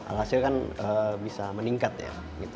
alhasil kan bisa meningkat ya